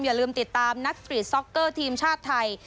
อย่าลืมติดตามนักสตรีทซ็อกเกอร์ทีมชาติไทย